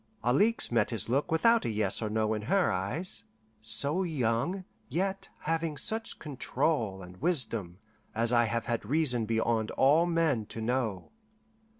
Alixe met his look without a yes or no in her eyes so young, yet having such control and wisdom, as I have had reason beyond all men to know.